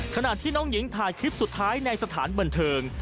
ขณะที่น้องหญิงถ่ายคลิปสุดท้ายในสถานบันเทิง